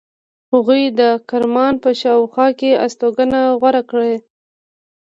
هغوی د کرمان په شاوخوا کې استوګنه غوره کړې.